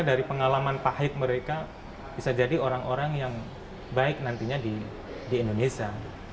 dari pengalaman pahit mereka bisa jadi orang orang yang baik nantinya di indonesia